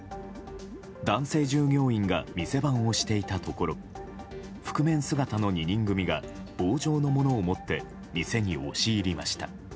男性従業員が店番をしていたところ覆面姿の２人組が棒状のものを持って店に押し入りました。